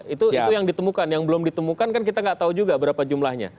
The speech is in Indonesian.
itu yang ditemukan yang belum ditemukan kan kita nggak tahu juga berapa jumlahnya